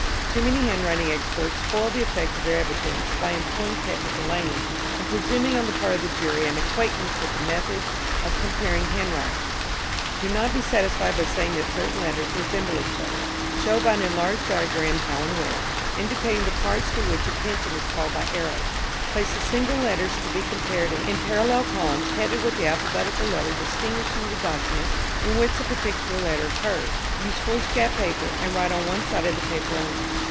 Too many handwriting experts spoil the effect of their evidence by employing technical language and presuming on the part of the jury an acquaintance with the methods of comparing handwritings. Do not be satisfied by saying that certain letters resemble each other. Show by an enlarged diagram how and where, indicating the parts to which attention is called by arrows. Place the single letters to be compared in parallel columns, headed with the alphabetical letter distinguishing the document in which the particular letter occurs. Use foolscap paper, and write on one side of the paper only.